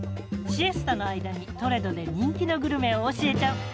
シエスタの間にトレドで人気のグルメを教えちゃう。